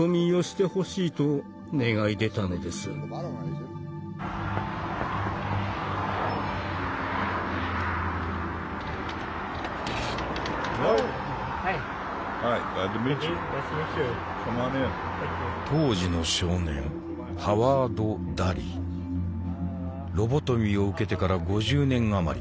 Ｈｅｌｌｏ．Ｈｉ．当時の少年ロボトミーを受けてから５０年余り。